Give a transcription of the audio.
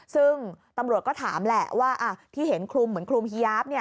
ซึ่งตำรวจก็ถามแหละว่าที่เห็นคลุมเหมือนคลุมฮียาฟ